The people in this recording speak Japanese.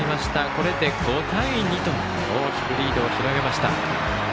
これで５対２と大きくリードを広げました。